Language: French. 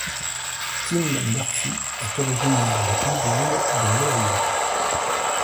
Tim Murphy est originaire de Cleveland dans l'Ohio.